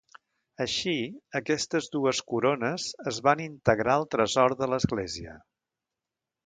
Així, aquestes dues corones es van integrar al tresor de l'església.